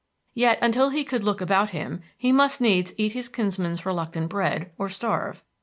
Yet, until he could look about him, he must needs eat his kinsman's reluctant bread, or starve.